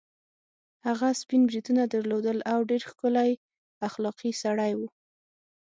هغه سپین بریتونه درلودل او ډېر ښکلی اخلاقي سړی وو.